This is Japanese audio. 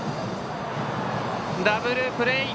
ダブルプレー。